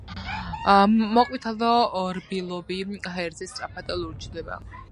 მოყვითალო რბილობი ჰაერზე სწრაფად ლურჯდება.